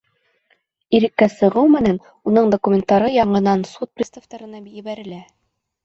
Иреккә сығыу менән уның документтары яңынан суд приставтарына ебәрелә.